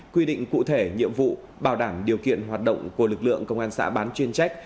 quy định cụ thể nhiệm vụ bảo đảm điều kiện hoạt động của lực lượng công an xã bán chuyên trách